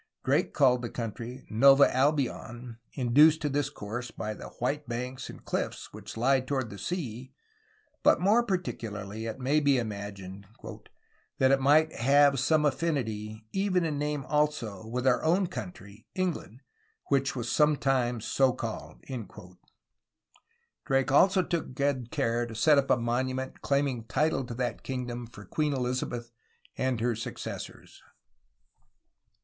Drake called the country "Nova Albion," induced to this course by the *Vhite bancks and cliff es, which lie toward the sea," but more particularly, it may be imagined, "that it might haue some affinity, euen in name also, with our own country [England], which was sometime so called." Drake also took good care to set up a monument claiming title to that kingdom for Queen Elizabeth and her successors.